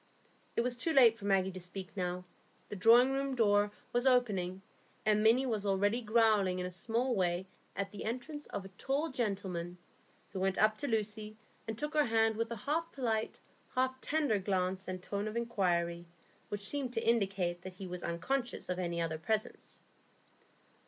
It was too late for Maggie to speak now; the drawingroom door was opening, and Minny was already growling in a small way at the entrance of a tall gentleman, who went up to Lucy and took her hand with a half polite, half tender glance and tone of inquiry, which seemed to indicate that he was unconscious of any other presence.